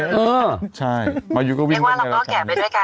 ไม่ว่าเราก็แก่ไปด้วยกันนะคะ